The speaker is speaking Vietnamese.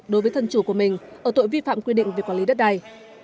đối với thân chủ của mình ở tội vi phạm quy định về quản lý đất đai